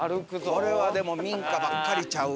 これはでも民家ばっかりちゃう？